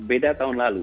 tidak beda tahun lalu